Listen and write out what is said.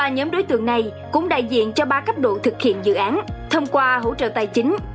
ba nhóm đối tượng này cũng đại diện cho ba cấp độ thực hiện dự án thông qua hỗ trợ tài chính